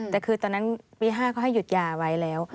แต่คือตอนนั้นปี๕เขาให้หยุดยาไว้แล้ว